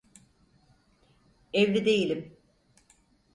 Evli değilim.